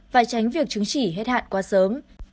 đã tránh việc chứng chỉ hết hạn quá sớm